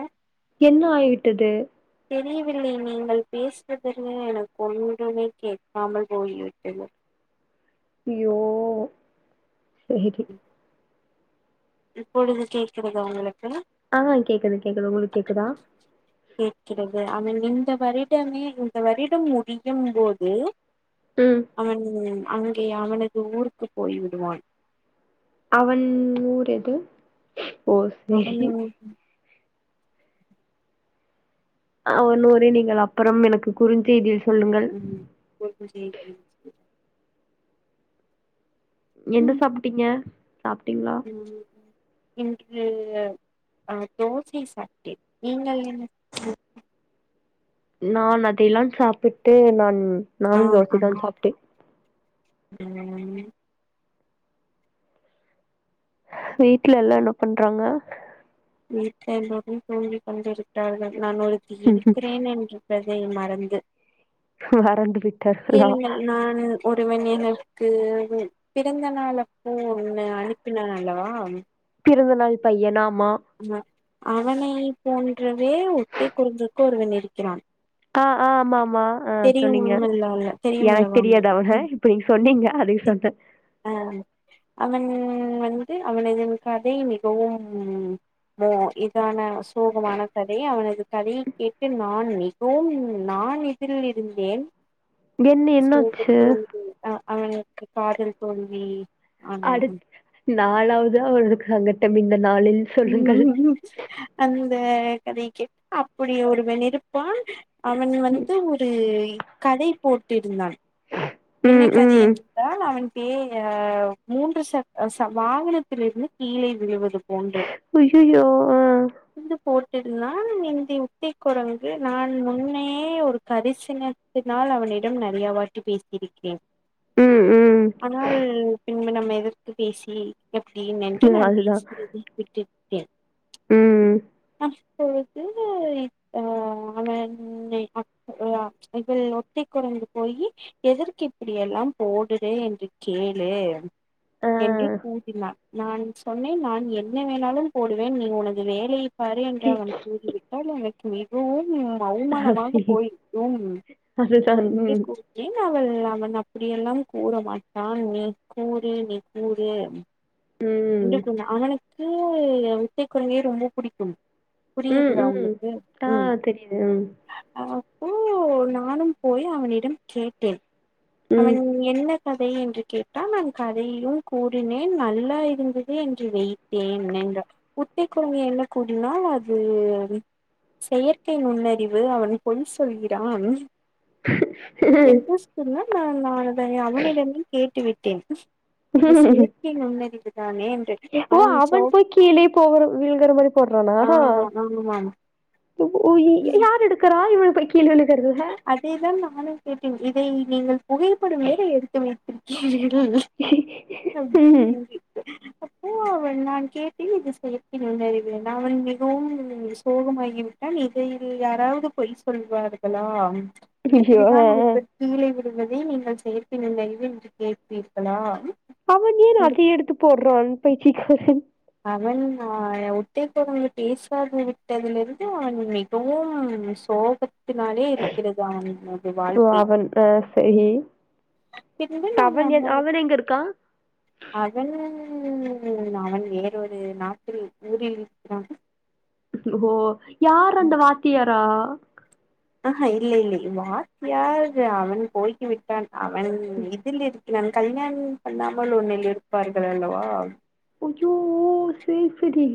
ஏ என்ன ஆயட்டது தெரியவில்லை நீங்கள் பேசுறதன்னு எனக்கு ஒன் மே கேட்காமல் போய்விட்டது யோ சரி இப்பொழுது கேக்குறதா உங்களுக்கு ஆ கேக்குது கேக்குது உங்களுக்கு கேக்குதா கேட்கிறது அமின் இந்த வருடமே இந்த வருடம் முடியும் போது ம் அவன் அங்கே அவனது ஊருக்குப் போய் விடுவான் அவன் ஊர் எது ஓ அவன் சரி அவன் ஊரை நீங்கள் அப்புறம் எனக்கு குறுஞ் செய்தி ம் என்ன சாப்ட்டீங்க சாப்ட்டீங்களா ம் இன்று அ தோசை சாப்ட்டேன் நீங்கள் என்ன நான் அதையெல்லாம் சாப்பிட்டு நான் ஆ நானும் ஆமா தோசைதான் சாப்ட்டேன் ம் வீட்ல எல்லாம் என்ன பண்றாங்க வீட்ல எல்லோரும் தூங்கி கொண்டிருக்கிறார்கள் நான் ஒருத்தி இருக்கிறேன் என்று இருப்பதை மறந்து மறந்து விட்டார்களா கேளுங்கள் நான் ஒரு [unintelligible] எனக்கு பிறந்த நாள் அப்ப ஒண்ணு அனுப்பினான் அல்லவா [unintelligible] பையன ஆமா அவனை போன்றவே ஒட்டை குரங்கு ஒருவன் இருக்கிறான் ஆ ஆ ஆமா ஆமா ஆ சொன்னீங்க தெரியுமல்ல எனக்கு தெரியாது அவன இப்ப நீங்க சொன்னீங்க அதுக்கு சொன்னே ஆ அவன் வந்து அவனது கதை மிகவும் இதான சோகமான கதை அவனது கதையை கேட்டு நான் மிகவும் நா நான் எதிரில் இருந்தேன் என்ன என்ன ஆச்சு சோகத்தில் அ அவனுக்கு காதல் தோல்வி ஆன அடுத் நாலாவது அவளுக்கு அங்கட்டம் இன் ம் ம் ம் ஆ இந்த கதைய கேட்டு அப்படிய ஒருவன் இருப்பான் அவன் வந்து ஒரு கடை போட்டிருந்தான் என்ன ம் கதை ம் என்றால் அவன் [unintelligible] மூன்று சக்க வாகனத்திலிருந்து கீழே விழுவதும் ஐயையோ ஆ [unintelligible] உத்தி கொரங்கு நான் முன்னே ஒரு கரிசனத்தினால் அவன் இடம் நெறையா வாட்டி பேசி இருக்கே ம் ம் ஆனால் பின்பு நம்ம எதிர்த்து பேசி எப்டின் என்று நான் அதுதா பேசுவதை விட்டுவிட்டேன் ம் இப்பொழுது ஆ அவன்னை அ [unintelligible] இது ஒட்டி குறைந்து போயி எதற்கு இப்படியெல்லாம் போடுறே என்று கேளு ஆ என்று கூறினான் நான் சொன்னேன் நான் என்ன வேணாலும் போடுவேன் நீ உனது வேலையை பார் என்று அவன் கூறிவிட்டால் எனக்கு மிகவும் அவுமானமாக அசி போயி [unintelligible] அதுதா என்று ம் கூறி அவள் அவன் அப்படியெல்லாம் கூற மாட்டான் நீ கூறு நீ கூறு ம் என்று கூறினான் அவனுக்கு வித்தை குழந்தையை ரொம்ப புடிக்கும் ம் [unintelligible] ம் உங்களுக்கு ஆ ம் தெரியுது ம் அ ஓ நானும் போய் அவனிடம் கேட்டேன் அவன் ம் என்ன கதை என்று கேட்டால் நான் கதையையு கூறினேன் நல்லா இருந்தது என்று வைத்தேன் [unintelligible] உத்தை குரங்கு என்ன கூறினாள் அது செயற்கை நுண்ணறிவு அவன் பொய் சொல்கிறான் என்ன சொன்னான் நா நான் அதை அவனிடமே கேட்டு விட்டேன் இது சேர்க்கை நுண்ணறிவு தானே என்று ஓ சோ அவன் போய் கீழே போக விழுகிற மாரி போட்றானா ஆ ஆமாம் [unintelligible] யார் எடுக்கரா இவ அதேதான் நானும் கேட்டேன் இதை நீங்கள் புகைப்படம் வேற எடுத்து வைத்திருக்கீர்கள் ம் [unintelligible] அப்போ அவன் நான் கேட்டேன் இது செயற்கை நுண்ணறிவு நான் அவன் மிகவும் சோகமாகிவிட்டான் இதை இதில் யாராவது பொய் சொல்வார்களா ஐயோ ஆ இப்படித்தான் ஆ ஒருத்தர் கீழே வி என்பதை நீங்கள் செயற்கை நுண்ணறிவு என்று கேட்பீர்களா அவன் ஏன் அதையு எடுத்து போட்றான் [unintelligible] அவன் அ ஒத்தை கொரங்கு [unintelligible] விட்டதுல இருந்து அவன் மிகவும் சோகத்தினாலே இருக்கிறது அவன்னது ஓ வாழ்க்கை அவன் ஆ சரி பின்பு நான் அவன் என் [unintelligible] அவன் எங்க இருக்கா அதல் ம் அவன் வேறொரு நாட்டில் ஊரில் இருக்கிறான் ஓ யார் அந்த வாத்தியாரா ஆஹா இல்லை இல்லை வாத்தியார் அவன் போய்கி விட்டான் அவன் இதில் இரு கிறான் கல்யாணம் பண்ணாமல் ஒண்ணில் இருப்பார்கள் அல்லவா ஐய்யோ சேர் சேரி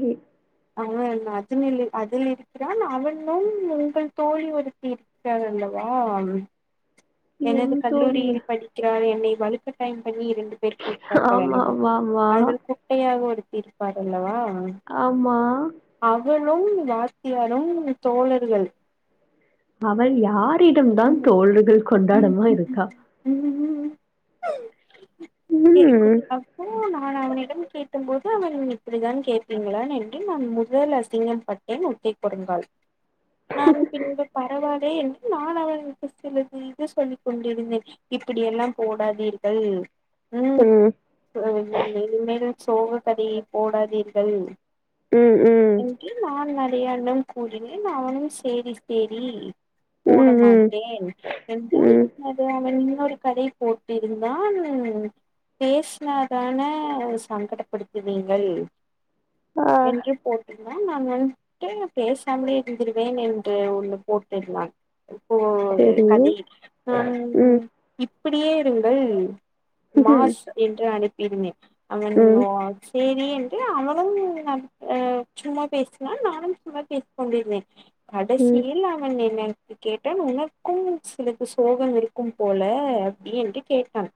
அவன் அதுனில் அதில் இருக்கிறான் அவனும் உங்கள் தோழி ஒருத்தி இருக்கிறார் அல்ல வா எனது என் தோழியா கல்லூரியில் படிக்கிறாள் என்னை வழுக்கட்டாயம் பண்ணி இரண்டு பேர் கூப்ட்டார்கள் ஆமா அல்லவா ஆமா ஆமா அதில் குட்டையாக ஒருத்தி இருப்பார் அல்லவா ஆமா அவளும் வாத்தியாரும் தோழர்கள் அவள் யாரிடம் தான் தோழுதள் கொண்டாடாம இருக்கா [unintelligible] ம் அப்போ நான் அவனிடம் கேக்கும்போது அவன் இப்படிதான் கேட்பீங்களா என்று நான் முதல் அசிங்கம் பட்டேன் [unintelligible] உத்தை கொரங்காள் நானும் பின்பு பரவால்லே என்று நான் அவர்களுக்கு சிலது து சொல்லிக் கொண்டிருந்தேன் இப்படி எல்லாம் போடாதீர்கள் ம் தொ இனிமேல் இனிமேலு சோக கதையை போடாதீர்கள் ம் ம் என்று நான் நெறையாண்ணம் கூறினேன் அவனும் சேரி சேரி போட ம் ம் மாட்டேன் என்றாள் ம் அது இன்னொரு கதையை போட்டிருந்தான் பேசினாதான சங்கடப்படுத்துவீங்கள் ஆ என்று போட்டு நான் வந்துட்டு பேசாமே இருந்திருவேன் என்று ஒண்ணு போட்டு இருந்தான் இப்போ சரி கதை நான் ம் இப்படியே இருங்கள் ம்ஹ்ம். மாஸ் என்று அனுப்பியிருந்தேன் அவன் ம். சேரி என்று அவனும் சும்மா பேசினான் நானும் சும்மா பேசிக் கொண்டிருந்தேன் ம். கடைசியில் அவன் நினை கேட்டன் உனக் க்கு சிலுக்கு சோகம் இருக்கும் போல அப்படின்ன்ட்டு கேட்டான்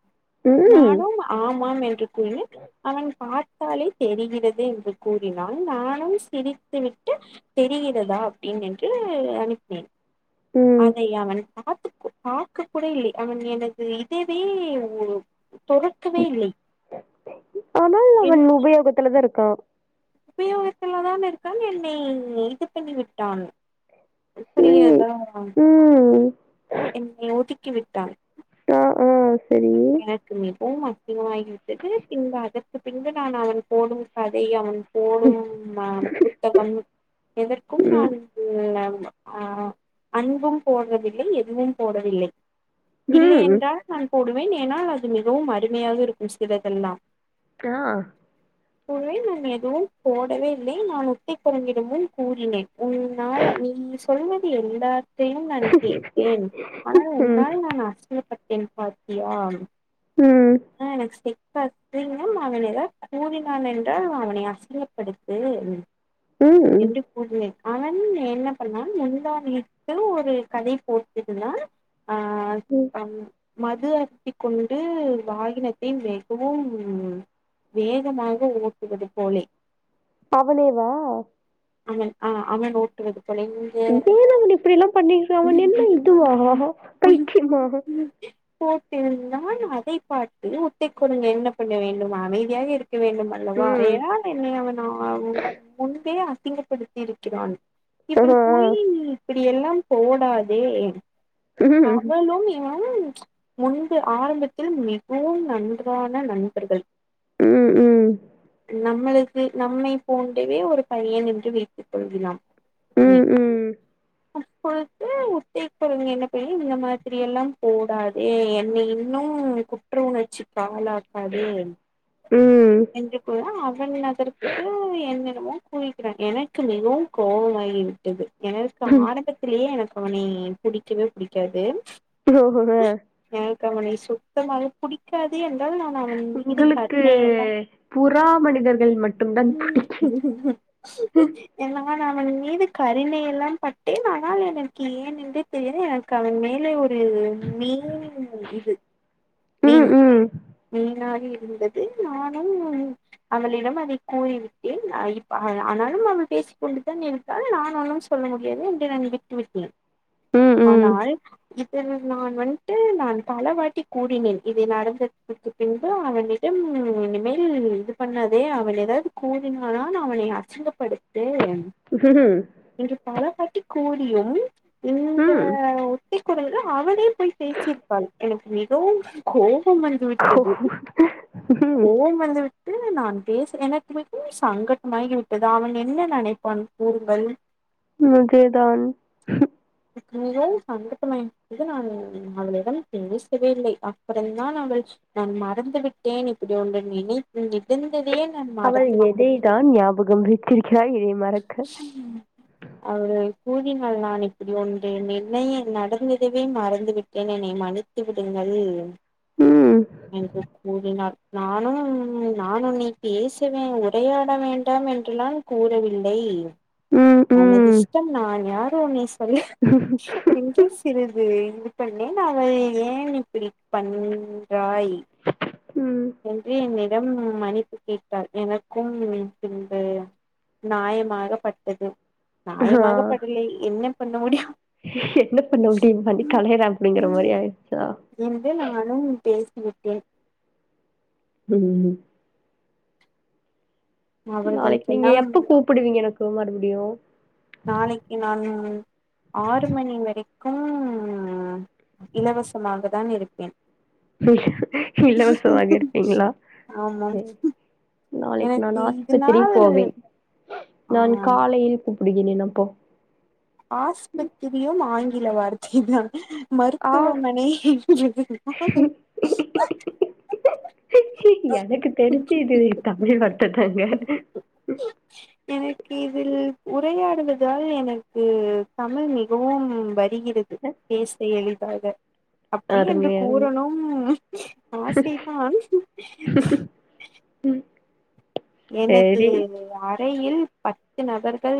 ம். நானும் ஆமாம் என்று கூறினேன் அவன் பாத் தாலே தெரிகிறது என்று கூறினால் நானம் சிரித்து விட்டு தெரிகிறதா அப்படின் என்று அனுப்பினேன் ம். அதை அவன் பாத்து பார்க்க கூட இல்லை அவன் ஐமீன் எனது இதவே தொறக்கவே இல்லை ஆனால் அவன் என்னை உபயோகத்துலதான் இருக்கான் உபயோகத்துலதான் இருக்கான் என்னை இது பண்ணி விட்டான் ம். புரிகிராதா ம். என்னை ஒதுக்கி விட்டான் ஆ, ஆ சரி. எனக்கு நீ போமா மாகிவிட்டது பின்பு அதற்கு பின்பு நான் அவன் போடும் கதை அவன் போடும் ம். புத்தகம் எதற்கும் நான் ஆ அன்பும் போடுறதில்லை எதுவும் போடவில்லை ம். இல்லையென்றால் நான் போடுவேன் ஏனால் அது மிகவும் அருமையாக இருக்கும் சிலதெல்லாம் [unintelligible] உவே நான் எதுவும் போடவே இல்லை நான் உட்டை குறங்கிடமும் கூறினேன் உன்னால் நீ சொல்வது எல்லாத் பெண் நான் கேட்பேன் ஆனால் ம். உன்னால் நான் அசிங்கப்பட்டேன் பார் [unintelligible] ம். ஆ நெக்ஸ்ட் கத்தீனம் அவனை ஏதாவது கூறினான் என்றால் அவனை அசிங்க படுத்து ம். எண்டு பூர்மை அவன் என்ன பண்ணான் முந்தா நேத்து ஒரு கதை போட்டுருந்தான் ஆ ம். மது அருந்தி கொண்டு வாகினத்தை மிகவும் வேகமாக ஓட்டுவது போலே அவனேவா அவன் ஆ அவன் ஓட் [unintelligible] திடிர்னு இப்படி எல்லாம் பண்ணிக்கிறாங்க என்ன இதுவா பைத்தியமா போட்டிருந்தான் அதை பார்த்து ஒத்தை குரங்கு என்ன பண்ண வேண்டும் அமைதியாக இருக்க வேண்டும் அல்லவா ம். ஏன் என்னை அவன் முன்பே அசிங்கப்படுத்தி இருக்கிறான் ஆ. இப்படி போயி இப்படி எல்லாம் போடாதே ம். அவளும் இவனு க்கும் முன்பு ஆரம்பத்தில் மிகவும் நன்றான நண்பர்கள் ம் ம் நம்மளுக்கு நம்மை போன்றவே ஒரு பையன் என்று வைத்து கொள்கிளாம் நீ ம். அப்பொழுது ஒத்தை குரங்கு என்ன பயன் நீங்க மாதிரி எல்லாம் போடாதே என்னை இன்னும் குற்ற உணர் ச்சி ஆளாக் காதே எண் ம். என்று கூறினான் அவன் அதற்கு என்னெனமோ கூறி எனக்கு மிகவும் கோபமாகி விட்டது எனக்கு ம். ஆரம்பத்திலேயே எனக்கு அவனை புடிக்கவே புடிக்காது ஓஹ்ஹ் ஹ எனக்கு அவனை சுத்தமாக புடிக்காது என் உங்களுக்கு புறா மனிதர்கள் மட்டும் தான் புடிக்கி ஹிம் நான் அவன் மீது கருணை எல்லாம் பட்டேன் ஆனால் எனக்கு ஏன் என்று தெரியாது எனக்கு அவன் மேலே ஒரு மீன் இது மீன் ம் ம் மீனாகி இருந்தது நானும் அவளிடம் அதை கூறிவிட்டேன் அ இப்ப ஆனாலும் அவள் பேசிக் கொண்டு தான் இருக்காள் நான் ஒன்னும் சொல்ல முடியாது என்று நான் விட்டு விட்டேன் ம் ம் ஆனால் இதனை நான் வன்ட்டு நான் பல வாட்டி கூறினேன் இதை நடந்ததுக்கு பின்பு அவன் இடம் இனிமேல் இது பண்ணாதே அவன் ஏதாவது கூறினால்னா அவனை அசிங்கப்படுத்து ம் கட்டி கூறியும் இந்த ஹும் [unintelligible] அவளே போய் பேசியிருப்பாள் எனக்கு மிகவும் கோவ் வம் வந்து ஓ விட்டது ம் கோவம் வந்து விட் டு நான் பேசுற எனக்கு மட்டு சங்கட்டமாகி விட் டது அவன் என்ன நெனைப்பான் கூறுங்கள் நிஜதான் மிகவும் சங்கட்டமாகிவிட்டது நான் அவளிடம் பேசவே இல்லை அப்புறம்தான் அவள் நான் மறந்து விட்டேன் இப்படி ஒன்று நினைத்து வி இருந்ததையே நான் அவள் மறந்து எதை விட்டேன் தான் ஞாபகம் வைத்திருக்கிறாள் இதை மறக்க ம் அவளிடமே கூறினால் நான் இப்படி ஒன்று நிலைய நடந்ததவே மறந்துவிட்டேன் என்னை மன்னித்து விடுங்க ஐய்யய்யோ ம் என்று கூறினாள் நானும் நான் உன்னை பேசவே உரையாட வேண்டாம் என்று என்னால் கூறவில் லை ம் உனது ம் இஷ்டம் நான் யாரோ நீ சொல்ல என்று சிறிது இது பண்ணேன் அவள் ஏன் இப்படி பண்றாய் ம் என்று என்னிடம் மன்னிப்பு கேட்டாள் எனக்கும் பின்பு நாயமாகப்பட்டது ஆ நாயாமாக படலை என்ன பண்ண முடியும் என்ன பண்ண முடியும் மாரி கலையறேன் அப்படிங்கிற மாதிரி ஆயிருடுச்சா ஓகே ம் ம் நாளைக்கு நீங்க அவர்களுக்கெல்லாம் எப்ப கூப்பிடுவீங்க எனக்கு மறுபடியும் நாளைக்கு நான் ஆறு மணி வரைக் கும் இலவசமாக தான் இருப்பேன் இலவசமாக இருப்பீங்களா ஆமாம் நாளைக்கு நான் எனக்கு ஆஸ்பத்திரி இதனால் போவேன் நான் ஆஹ் காலையில் அதிக நெனப்போ ஆஸ்பத்திரியும் ஆங்கில வார்த்தை தான் ஆ மருத்துவமனை எனக்கு தெரிஞ்சு இது தமிழ் மட்ட தாங்க எனக்கு இதில் உரையாடுவதால் எனக்கு தமிழ் மிகவும் பெட் தெரிகிறது பேச எளிதாக அப்படி என்று அருமை அருமை கூறணும் ஆசைதான் ம் எனது அறையில் பத்து நபர்கள்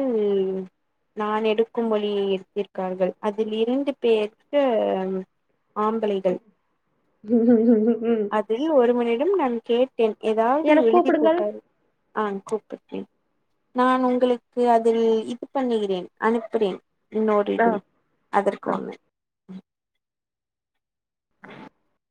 நான் எடுக்கும் வழியில் எடுத்துக்கார்கள் அதில் இரண்டு பேர்க்கு ஆம்ளைகள் அதில் ஒரு மணி ம் நான் கேட்டேன் எதாவது என்ன எழுதி கூப்பிடுங்கள் போட்டாரு ஆ கூப்பிட்டேன் நான் உங்குளுக்கு அதில் இது பண்ணுகிறேன் அனுப்புறேன் இன் ஆ ஆடிபுல் ஆ அதற்கொன்னு ம் [inaudible]